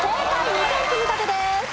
２点積み立てです。